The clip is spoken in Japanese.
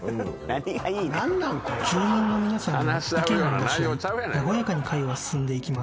［住民の皆さんの意見を出し合い和やかに会は進んでいきます］